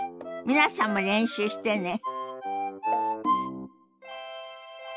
皆さんも練習してね。